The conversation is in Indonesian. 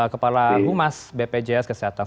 kepala umas bpjs kesehatan